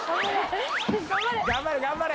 頑張れ！